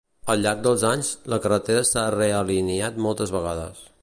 Al llarg dels anys, la carretera s'ha realineat moltes vegades.